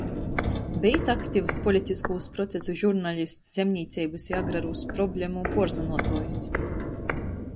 Bejs aktivs politiskūs procesu žurnalists, zemnīceibys i agrarūs problemu puorzynuotuojs,